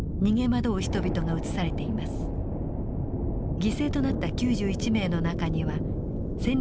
犠牲となった９１名の中には戦略